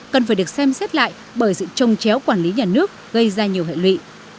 cần phải được xem xét lại bởi sự trông chéo quản lý nhà nước gây ra nhiều hệ lụy